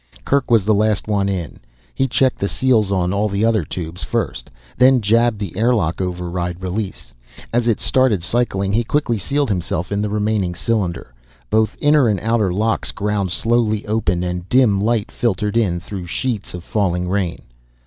Kerk was the last one in. He checked the seals on all the other tubes first, then jabbed the air lock override release. As it started cycling he quickly sealed himself in the remaining cylinder. Both inner and outer locks ground slowly open and dim light filtered in through sheets of falling rain.